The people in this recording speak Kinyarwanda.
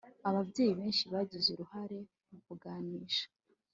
Ababyeyi benshi bagize uruhare mu kuganisha